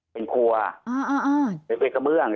เป็นคัวเป็นเป็นคเบื้อง